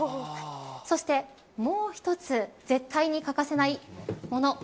そしてもう一つ絶対に欠かせないもの